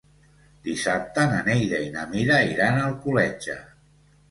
Dissabte na Neida i na Mira iran a Alcoletge.